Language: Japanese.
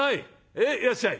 「へいいらっしゃい」。